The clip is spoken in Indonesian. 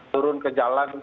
turun ke jalan